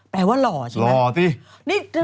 แปลว่าหล่อใช่ไหม